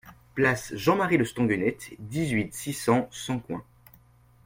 Place Jean-Marie Le Stanguennec, dix-huit, six cents Sancoins